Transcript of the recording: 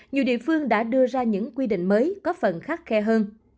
nhiều địa phương đã đưa ra những quy định mới có phần khắt khe hơn